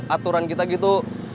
aturan kita gitu